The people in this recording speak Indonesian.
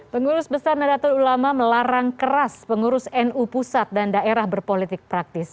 pengurus besar nadatul ulama melarang keras pengurus nu pusat dan daerah berpolitik praktis